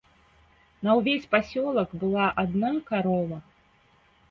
На ўвесь пасёлак была адна карова.